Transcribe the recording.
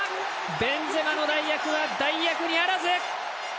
ベンゼマの代役は代役にあらず！